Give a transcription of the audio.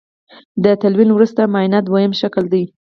د تلوین وروسته معاینه دویم شکل دی.